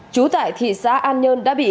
chú tại thị xã an nhơn đã bị